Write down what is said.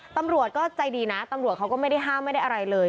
ตำรวจก็ใจดีนะตำรวจเขาก็ไม่ได้ห้ามไม่ได้อะไรเลย